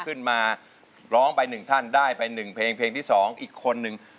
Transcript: ขึ้นมาร้องไป๑ท่านได้ไป๑เพลงเพลงที่๒อีกคนนึง